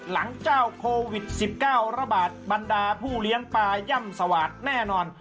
หลังเจ้าโควิด๑๙ระบาดบรรดาผู้เลี้ยงปลาย่ำสวาดแน่นอน